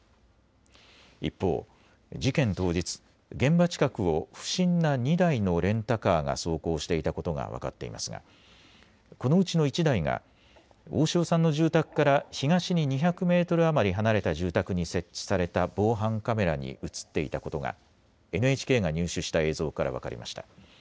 一方、事件当日、現場近くを不審な２台のレンタカーが走行していたことが分かっていますがこのうちの１台が大塩さんの住宅から東に２００メートル余り離れた住宅に設置された防犯カメラに写っていたことがＮＨＫが入手した映像から分かりました。